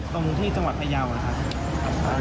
ตรงที่จังหวัดพยาวนะครับ